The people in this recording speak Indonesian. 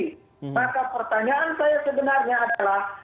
maka pertanyaan saya sebenarnya adalah